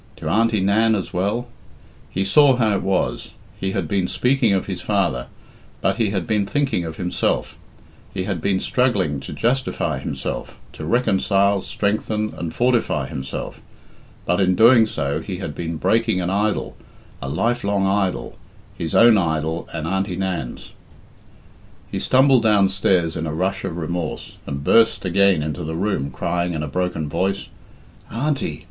To Auntie Nan as well? He saw how it was; he had been speaking of his father, but he had been thinking of himself; he had been struggling to justify himself, to reconcile, strengthen, and fortify himself. But in doing so he had been breaking an idol, a life long idol, his own idol and Auntie Nan's. He stumbled downstairs in a rush of remorse, and burst again into the room crying in a broken voice, "Auntie!